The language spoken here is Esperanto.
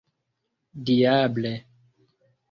diable